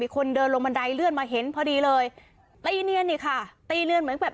คนเดินลงบันไดเลื่อนมาเห็นพอดีเลยตีเนียนอีกค่ะตีเลื่อนเหมือนแบบ